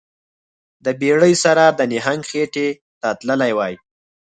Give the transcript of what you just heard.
د بیړۍ سره د نهنګ خیټې ته تللی وای